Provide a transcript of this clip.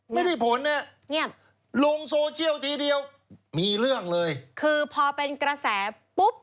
ไม่ได้ผลเนี่ยเงียบลงโซเชียลทีเดียวมีเรื่องเลยคือพอเป็นกระแสปุ๊บ